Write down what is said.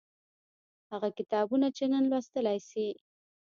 هغه کتابونه چې نن لوستلای شئ